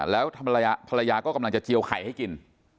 แล้วภรรยาก็กำลังจะเจียวไข่ให้กิน